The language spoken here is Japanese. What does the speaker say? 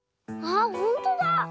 あっほんとだ！